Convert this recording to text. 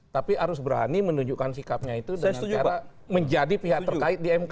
tapi harus berani menunjukkan sikapnya itu dengan cara menjadi pihak terkait di mk